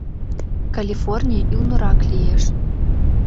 — Калифорний ӱлнырак лиеш...